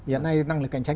hiện nay năng lực cạnh tranh